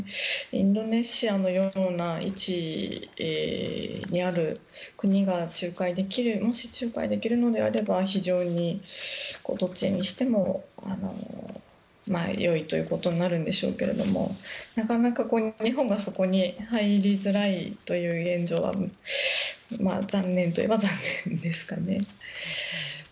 インドネシアのような位置にある国がもし仲介できるのであれば非常にどっちにしてもよいということになるんでしょうけれどなかなか日本がそこに入りづらいという現状は残念と言えば残念ですかね。